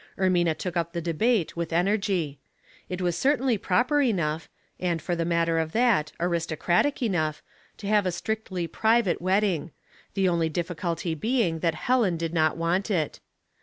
Ermina took up the debate with en ergy. It was certainly proper enough, and, for the matter of that, aristocratic enough, to have a strictly private wedding; the only difficulty being that Helen did not want it.